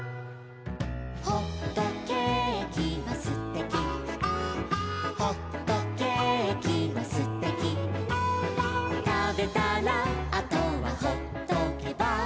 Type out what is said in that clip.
「ほっとけーきはすてき」「ほっとけーきはすてき」「たべたらあとはほっとけば」